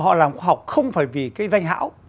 họ làm khoa học không phải vì cái danh hảo